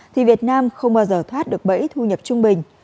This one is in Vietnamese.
thì việt nam không bao giờ thoát được bẫy thu nhập trung bình